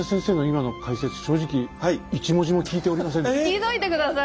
聞いといて下さい！